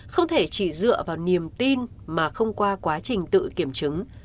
không thể chỉ dựa vào niềm tin mà không qua quá trình tự kiểm chứng